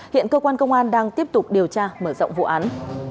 hiện cơ quan công an đang tiếp tục điều tra mở rộng vụ án